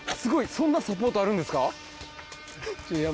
そんなサポートあるんですか？